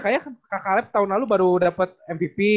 kayaknya kak kaleb tahun lalu baru dapet mvp